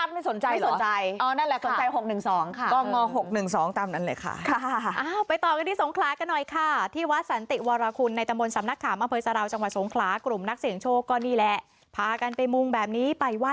ไม่อยากรู้ตัวอักษรหมวดหน้าด้วยไม่อยากรู้ตัวเลขนั้นน่ะ